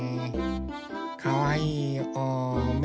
かわいいおめめ。